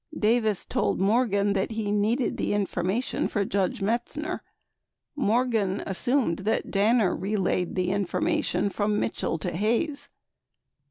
Davis told Morgan that he needed the information for Judge Metzner; Morgan assumed that Danner relayed the information from Mitchell to Hayes.